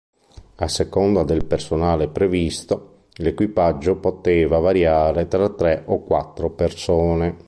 A seconda del personale previsto, l'equipaggio poteva variare da tre o quattro persone.